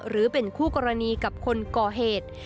หรือเป็นคู่กรณีกับคนก่อเหตุ